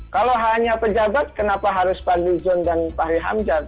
kalau hanya pejabat kenapa harus pak nizam dan pak rihamjad